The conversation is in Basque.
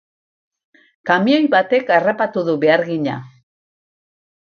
Kamioi batek harrapatu du behargina.